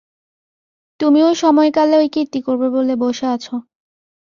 তুমিও সময়কালে ঐ কীর্তি করবে বলে বসে আছ।